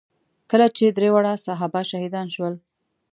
کله چې درې واړه صحابه شهیدان شول.